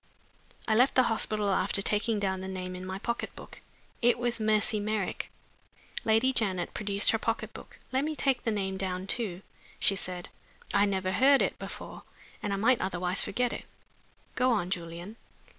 I left the hospital after taking down the name in my pocket book. It was "Mercy Merrick."'" Lady Janet produced her pocket book. "Let me take the name down too," she said. "I never heard it before, and I might otherwise forget it. Go on, Julian."